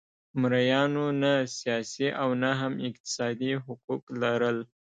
مریانو نه سیاسي او نه هم اقتصادي حقوق لرل.